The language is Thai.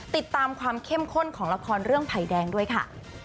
ติดตามความเข้มข้นของละครเรื่องภัยแดงด้วยค่ะ